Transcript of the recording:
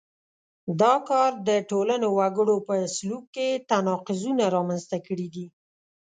دا کار د ټولنو وګړو په سلوک کې تناقضونه رامنځته کړي دي.